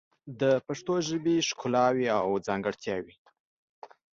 د پښتو ژبې ښکلاوې او ځانګړتیاوې